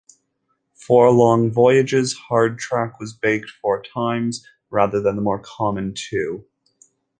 For long voyages, hardtack was baked four times, rather than the more common two.